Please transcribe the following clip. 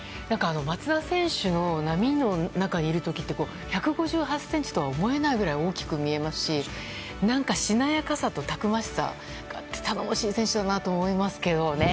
松田選手の波の中にいる時って１５８ｃｍとは思えないぐらい大きく見えますし何かしなやかさとたくましさがあって頼もしい選手だなと思いますけどね。